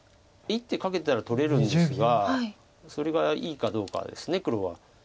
１手かけたら取れるんですがそれがいいかどうかです黒は。